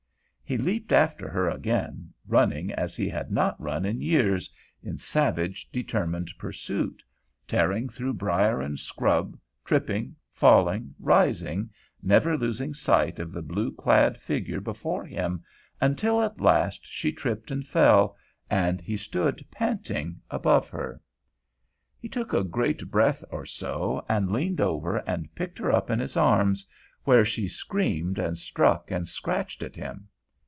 He leaped after her again, running as he had not run in years, in savage, determined pursuit, tearing through brier and scrub, tripping, falling, rising, never losing sight of the blue clad figure before him until at last she tripped and fell, and he stood panting above her. He took a great breath or so, and leaned over and picked her up in his arms, where she screamed and struck and scratched at him.